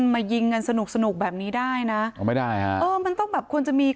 มายิงกันสนุกสนุกแบบนี้ได้นะอ๋อไม่ได้ฮะเออมันต้องแบบควรจะมี